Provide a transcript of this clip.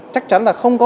chắc chắn là không có